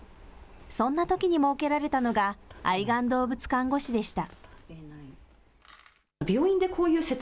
そんなときに設けられたのが、愛玩動物看護師でした。